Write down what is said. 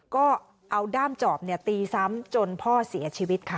ก็เอาด้ามจอบตีซ้ำจนพ่อเสียชีวิตค่ะ